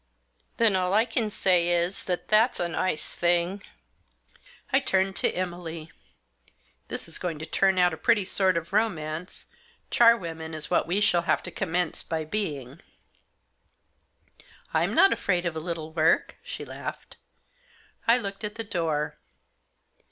" Then all I can say is that that's a nice thing." I turned to Emily. " This is going to turn out a pretty ! sort of romance — charwomen is what we shall have to * commence by being." f " Fm not afraid of a little work," she laughed. I looked at the door.